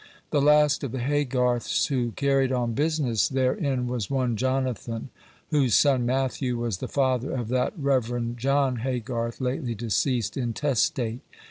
The last of the Haygarths who carried on business therein was one Jonathan, whose son Matthew was the father of that Reverend John Haygarth, lately deceased, intestate.